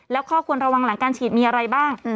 แล้วข้อควรระวังหลังการฉีดมีอะไรบ้าง